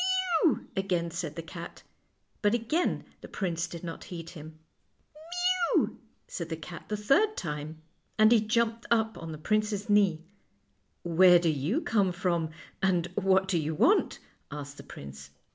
" Mew," again said the cat ; but again the prince did not heed him. " Mew," said the cat the third time, and he jumped up on the prince's knee. " Where do you come from, and what do you want? " asked the prince.